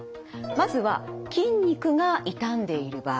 まずは筋肉が痛んでいる場合。